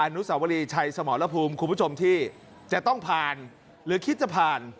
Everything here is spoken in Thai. นุสาวรีชัยสมรภูมิคุณผู้ชมที่จะต้องผ่านหรือคิดจะผ่าน